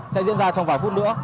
sẽ diễn ra trong vài phút nữa